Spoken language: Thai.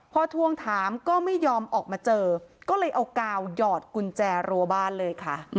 พอทวงถามก็ไม่ยอมออกมาเจอก็เลยเอากาวหยอดกุญแจรัวบ้านเลยค่ะ